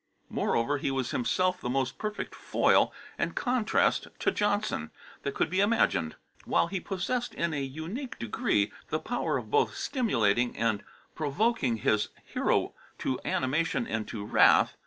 Moreover he was himself the most perfect foil and contrast to Johnson that could be imagined, while he possessed in a unique degree the power of both stimulating and provoking his hero to animation and to wrath.